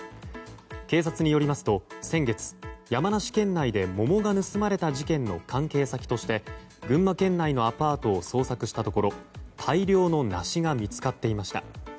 警察によりますと先月、山梨県内で桃が盗まれた事件の関係先として群馬県内のアパートを捜索したところ大量の梨が見つかっていました。